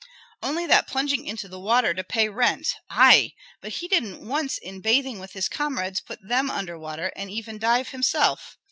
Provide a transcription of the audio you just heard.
"Only that plunging into the water to pay rent. Ei! but didn't he once in bathing with his comrades put them under water, and even dive himself?